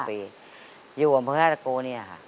ไปอยู่อำเภอท่าตะโกเนี่ยค่ะ